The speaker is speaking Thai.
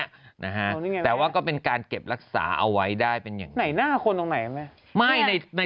นะฮะแต่ว่าเป็นการเก็บรักษาเอาไว้ได้เป็นยังไง